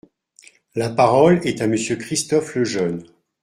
La parole est à Monsieur Christophe Lejeune.